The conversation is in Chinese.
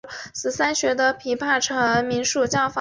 黑风洞是雪兰莪鹅唛县的一个巫金也是一个城镇。